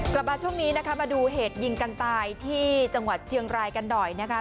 กลับมาช่วงนี้นะคะมาดูเหตุยิงกันตายที่จังหวัดเชียงรายกันหน่อยนะคะ